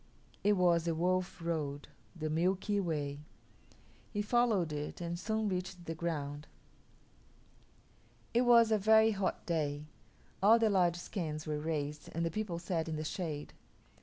It was the Wolf Road the Milky Way. He followed it and soon reached the ground. It was a very hot day. All the lodge skins were raised and the people sat in the shade.